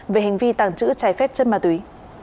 về hành vi tàng trữ trái phép chất ma túy